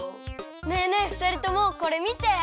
ねえねえふたりともこれみて！